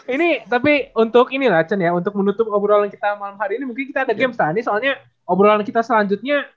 ini tapi untuk ini racun ya untuk menutup obrolan kita malam hari ini mungkin kita ada games tadi soalnya obrolan kita selanjutnya